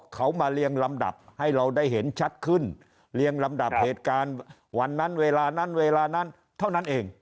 เขามาเรียงลำดับให้เราได้เห็นชัดขึ้นเรียงลำดับเหตุการณ์วันนั้นเวลานั้นเวลานั้นเท่านั้นเอง